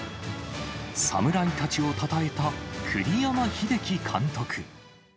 侍たちをたたえた栗山英樹監督。